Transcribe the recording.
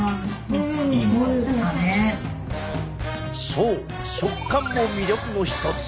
そう食感も魅力の一つ！